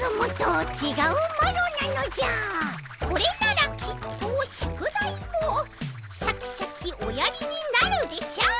これならきっと宿題もシャキシャキおやりになるでしょう。